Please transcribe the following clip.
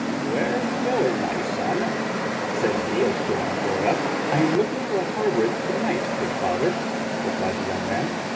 "Where are you going, my son?" said he as Geraint rode up. "I am looking for a harborage for the night, good father," replied the young man.